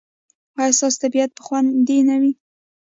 ایا ستاسو طبیعت به خوندي نه وي؟